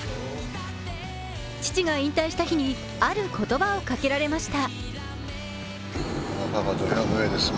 父が引退した日にある言葉をかけられました。